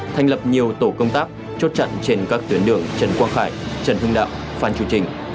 thành lập nhiều tổ công tác chốt chặn trên các tuyến đường trần quang khải trần hưng đạo phan chu trinh